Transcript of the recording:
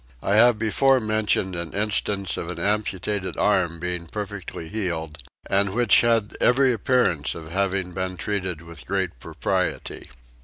I have before mentioned an instance of an amputated arm being perfectly healed and which had every appearance of having been treated with great propriety.